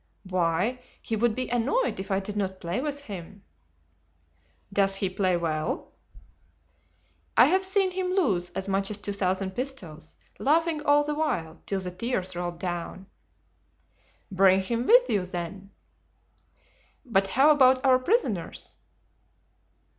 "Why, he would be annoyed if I did not play with him." "Does he play well?" "I have seen him lose as much as two thousand pistoles, laughing all the while till the tears rolled down." "Bring him with you, then." "But how about our prisoners?"